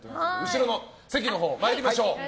後ろの席に参りましょう。